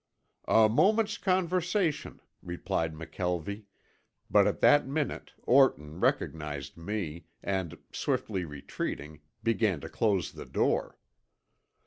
"A moment's conversation," replied McKelvie, but at that minute Orton recognized me and, swiftly retreating, began to close the door.